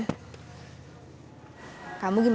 obat mitigasi juga ini